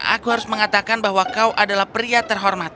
aku harus mengatakan bahwa kau adalah pria terhormat